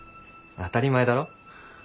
当たり前だろ。